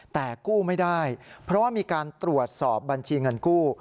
แต่กู้ไม่ได้เพราะว่ามีการตรวจสอบบัญชีเงินกู้